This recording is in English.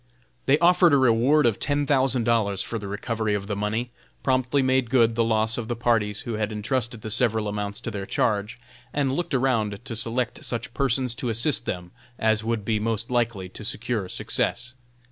They offered a reward of ten thousand dollars for the recovery of the money, promptly made good the loss of the parties who had entrusted the several amounts to their charge, and looked around to select such persons to assist them as would be most likely to secure success.